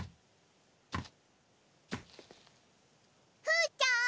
ふーちゃん！